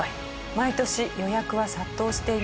毎年予約は殺到しています。